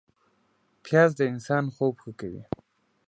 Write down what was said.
پیاز د انسان خوب ښه کوي